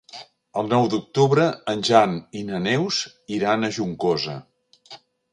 El nou d'octubre en Jan i na Neus iran a Juncosa.